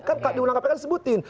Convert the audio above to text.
kan di undang kpk disebutin